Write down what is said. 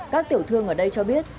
các tiểu thương ở đây cho biết